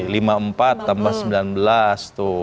lima empat tambah sembilan belas tuh